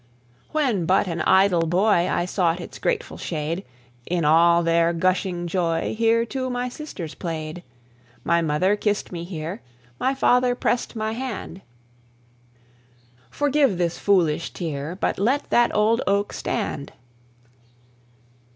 When but an idle boy, I sought its grateful shade; In all their gushing joy Here, too, my sisters played. My mother kissed me here; My father pressed my hand Forgive this foolish tear, But let that old oak stand.